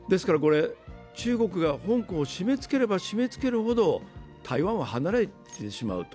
中国が香港を締めつければ締めつけるほど台湾は離れていってしまう。